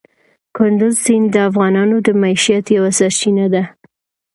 کندز سیند د افغانانو د معیشت یوه سرچینه ده.